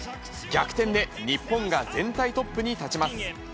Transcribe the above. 逆転で日本が全体トップに立ちます。